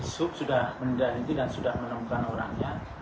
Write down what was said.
sop sudah mendahiti dan sudah menemukan orangnya